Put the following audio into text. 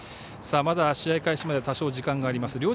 まだ試合開始まで多少時間があります。